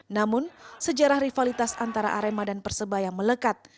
namun sejarah rivalitas antara arema dan persebaya melekat